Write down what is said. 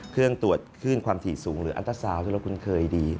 เครื่องตรวจคลื่นความถี่สูงหรืออันตราซาวน์ที่เราคุ้นเคยดี